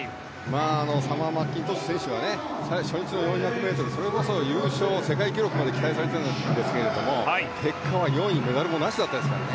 サマー・マッキントッシュ選手は初日の４００ｍそれこそ優勝、世界記録まで期待されていたんですが結果は４位メダルもなしだったですから。